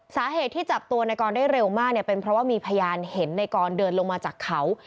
สาเหตุที่จับตัวในกรได้เร็วมากเนี่ยเป็นเพราะว่ามีพยานเห็นในกรเดินลงมาจากเขา